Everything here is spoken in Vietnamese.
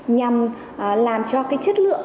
nhằm làm cho cái chất lượng